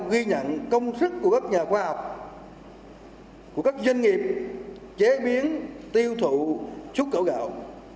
ghi nhận công sức của các nhà khoa học của các doanh nghiệp chế biến tiêu thụ xuất khẩu gạo